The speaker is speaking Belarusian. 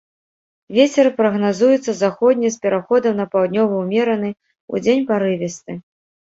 Вецер прагназуецца заходні з пераходам на паўднёвы ўмераны, удзень парывісты.